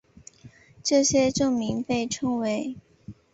这些证明被称为。